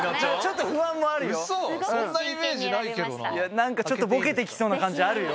何かちょっとボケて来そうな感じあるよ。